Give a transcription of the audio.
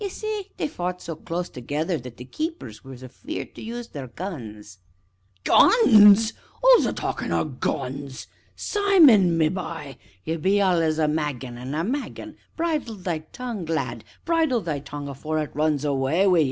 Ye see, they fou't so close together that the keepers was afear'd to use their guns ANCIENT (indignantly). Guns! who's a talkin' o' guns? Simon, my bye you be allus a maggin' an' a maggin'; bridle thy tongue, lad, bridle thy tongue afore it runs away wi' ye.